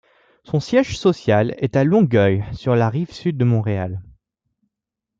Son siège social est à Longueuil sur la rive sud de Montréal.